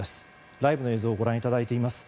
ライブの映像をご覧いただいています。